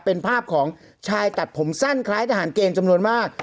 เป็นภาพของชายตัดผมสั้นคล้ายทหารเกณฑ์จำนวนมาก